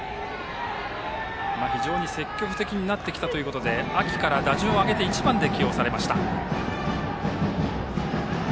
非常に積極的になってきたということで秋から打順を上げて１番で起用されました。